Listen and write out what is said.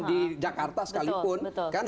di jakarta sekalipun